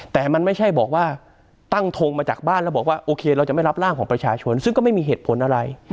แต่มันไม่ใช่บอกว่าตั้งทงมาจากบ้านแล้วบอกว่าโอเคเราจะไม่รับร่างของประชาชนซึ่งก็ไม่มีเหตุผลอะไร